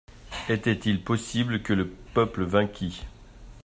Était-il possible que le peuple vainquît?